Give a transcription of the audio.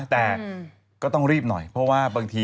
แต่ก็ต้องรีบหน่อยเพราะว่าบางที